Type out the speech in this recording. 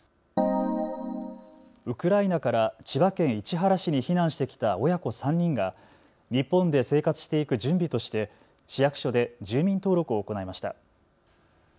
ウクライナから千葉県市原市に避難してきた親子３人が日本で生活していく準備として市役所で住民登録を行いました。